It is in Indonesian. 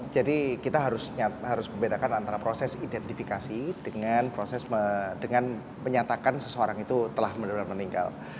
jadi kita harus membedakan antara proses identifikasi dengan proses menyatakan seseorang itu telah meninggal